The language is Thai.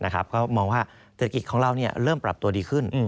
ก็มองว่าเศรษฐกิจของเราเริ่มปรับตัวดีขึ้น